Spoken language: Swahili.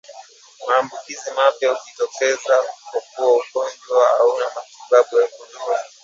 Maambukizi mapya hujitokeza kwakuwa ugonjwa hauna matibabu ya kudumu